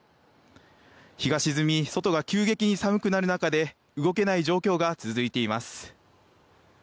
日が沈み外が急激に寒くなる中で動けない状況が続いています。